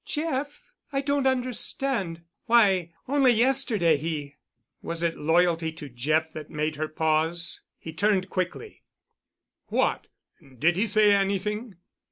"Jeff? I don't understand. Why, only yesterday he——" Was it loyalty to Jeff that made her pause? He turned quickly. "What—did he say anything?"